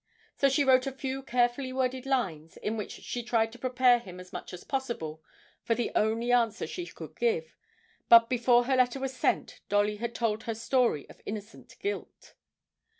So she wrote a few carefully worded lines, in which she tried to prepare him as much as possible for the only answer she could give, but before her letter was sent Dolly had told her story of innocent guilt.